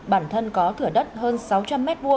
bản thân có thửa đất hơn sáu trăm linh m hai